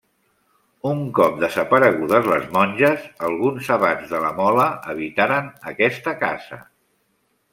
Un cop desaparegudes les monges, alguns abats de la Mola habitaren aquesta casa.